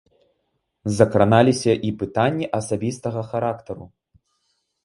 Закраналіся і пытанні асабістага характару.